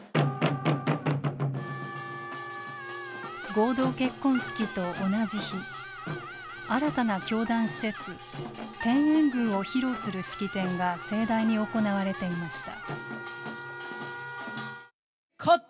合同結婚式と同じ日新たな教団施設天苑宮を披露する式典が盛大に行われていました。